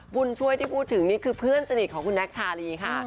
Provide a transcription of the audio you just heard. บุญช่วยที่พูดถึงนี่คือเพื่อนสนิทของคุณแน็กชาลีค่ะ